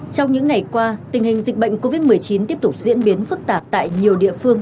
trong những ngày qua tình hình dịch bệnh covid một mươi chín tiếp tục diễn biến phức tạp tại nhiều địa phương